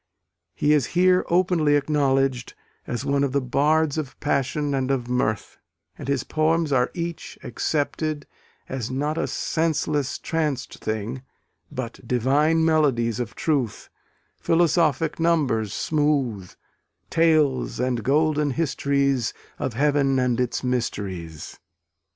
He is here openly acknowledged as one of the "bards of passion and of mirth," and his poems are each accepted, as Not a senseless, tranced thing, But divine melodies of truth, Philosophic numbers smooth, Tales and golden histories Of heaven and its mysteries....